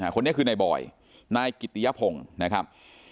คนนี้คือนายบอยนายกิตติยพงศ์นะครับ